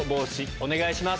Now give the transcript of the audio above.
お願いします。